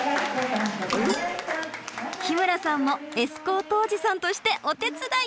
日村さんもエスコートおじさんとしてお手伝い！